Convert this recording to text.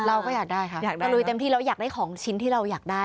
เราก็อยากได้ค่ะอยากได้ตะลุยเต็มที่แล้วอยากได้ของชิ้นที่เราอยากได้